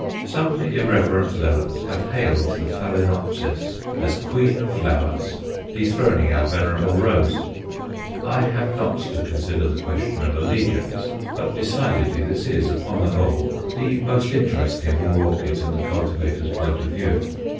Some irreverent zealots have hailed the Phaloenopsis as Queen of Flowers, dethroning our venerable rose. I have not to consider the question of allegiance, but decidedly this is, upon the whole, the most interesting of all orchids in the cultivator's point of view.